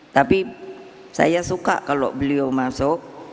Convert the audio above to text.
tapi saya suka kalau beliau masuk